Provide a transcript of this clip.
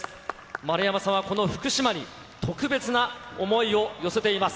丸山さんはこの福島に、特別な想いを寄せています。